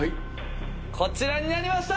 こちらになりました！